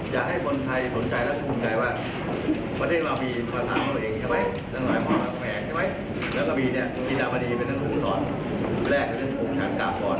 แรกนึงกูมัทานก่อน